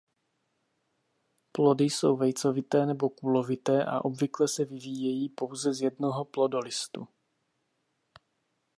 Plody jsou vejcovité nebo kulovité a obvykle se vyvíjejí pouze z jednoho plodolistu.